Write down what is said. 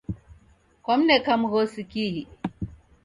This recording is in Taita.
Kwamneka mghosi kihi?